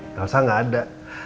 nelasa gak ada